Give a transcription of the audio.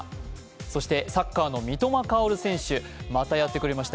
そして、サッカーの三笘薫選手またやってくれました。